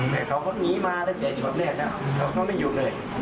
แต่เขานีมาแต่ชดเลขเขาไม่หยุดเลย